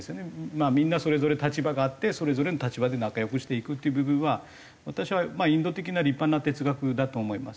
まあみんなそれぞれ立場があってそれぞれの立場で仲良くしていくっていう部分は私はインド的な立派な哲学だと思います。